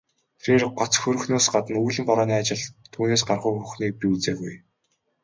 Тэрээр гоц хөөрхнөөс гадна үүлэн борооны ажилд түүнээс гаргуу хүүхнийг би үзээгүй.